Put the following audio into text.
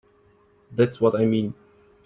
That's what I mean.